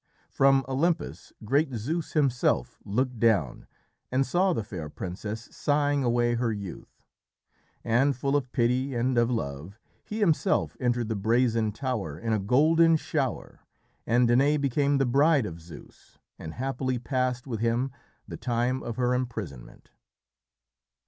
From Olympus great Zeus himself looked down and saw the air princess sighing away her youth. And, full of pity and of love, he himself entered the brazen tower in a golden shower, and Danaë became the bride of Zeus and happily passed with him the time of her imprisonment.